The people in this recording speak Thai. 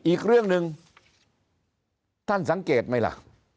อีกเรื่องหนึ่งท่านสังเกตไหมล่ะ